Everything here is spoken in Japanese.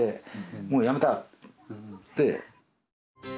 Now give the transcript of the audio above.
もうやめた！って。